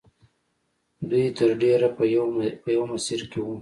دوی تر ډېره په یوه مسیر کې وو